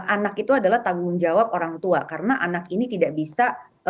anak itu adalah tanggung jawab orang tua karena anak ini tidak bisa